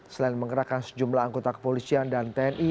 selain menggerakkan sejumlah anggota kepolisian dan tni